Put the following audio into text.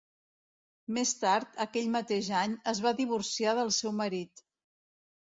Més tard, aquell mateix any, es va divorciar del seu marit.